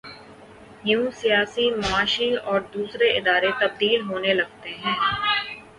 یوں سیاسی، معاشی اور دوسرے ادارے تبدیل ہونے لگتے ہیں۔